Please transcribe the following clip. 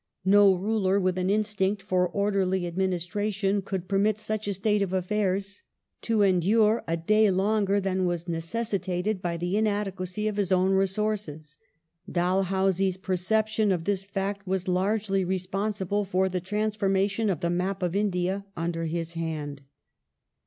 No ruler with an instinct for orderly administration could permit such a state of things to endure a day longer than was necessitated by the inadequacy of his own resources. Dalhousie's perception of this fact was largely responsible for the transforma tion of the map of India under his hand.